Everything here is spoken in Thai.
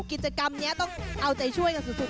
กิจกรรมนี้ต้องเอาใจช่วยกันสุด